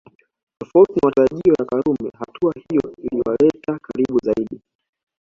Tofauti na matarajio ya Karume hatua hiyo iliwaleta karibu zaidi